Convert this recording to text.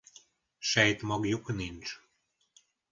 Sejtmagjuk nincs.